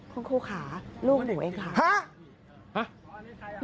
คุณครูค่ะลูกหนูเองค่ะ